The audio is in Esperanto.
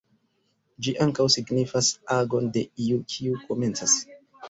Ĝi ankaŭ signifas agon de iu, kiu komencas.